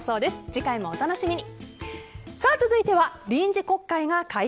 次回もお楽しみに。